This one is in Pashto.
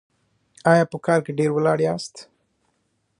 ایا په کار کې ډیر ولاړ یاست؟